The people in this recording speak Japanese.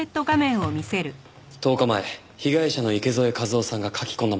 １０日前被害者の池添一雄さんが書き込んだものです。